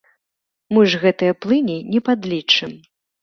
Мы ж гэтыя плыні не падлічым.